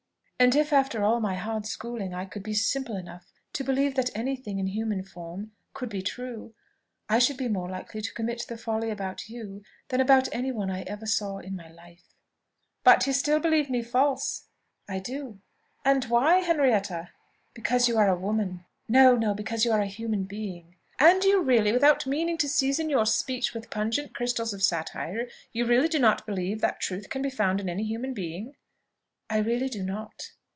And if after all my hard schooling I could be simple enough to believe that any thing in human form could be true, I should be more likely to commit the folly about you than about any one I ever saw in my life." "But still you believe me false?" "I do." "And why, Henrietta?" "Because you are a woman; no, no, because you are a human being." "And you really, without meaning to season your speech with pungent crystals of satire you really do not believe that truth can be found in any human being?" "I really do not."